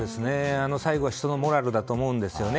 最後は人のモラルだと思うんですよね。